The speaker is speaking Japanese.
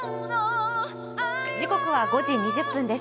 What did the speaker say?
時刻は５時２０分です。